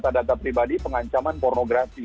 data data pribadi pengancaman pornografi